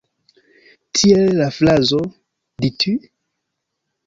Tiel, la frazo "Dis-tu?